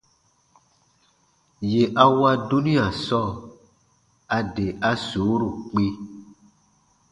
Yè a wa dunia sɔɔ, a de a suuru kpĩ.